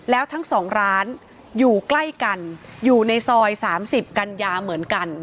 แล้วทั้งสองร้านอยู่ใกล้กันอยู่ในซอย๓๐กันยาเหมือนกัน